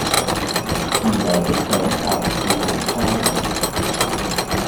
原來的想法是桃花源